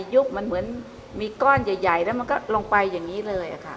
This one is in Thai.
ยุบมันเหมือนมีก้อนใหญ่แล้วมันก็ลงไปอย่างนี้เลยค่ะ